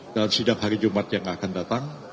dalam sidang hari jumat yang akan datang